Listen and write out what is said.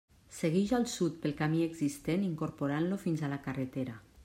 Seguix al sud pel camí existent, incorporant-lo fins a la carretera.